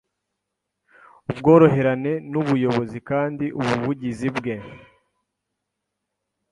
ubworoherane n’ubuyobozi kandi ubuvugizi bwe